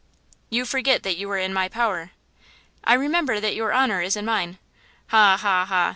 "You forget that you are in my power!" "I remember that your honor is in mine! Ha, ha, ha!